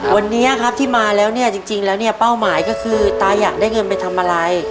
วันนี้ครับที่มาแล้วเนี่ยจริงแล้วเนี่ยเป้าหมายก็คือตาอยากได้เงินไปทำอะไร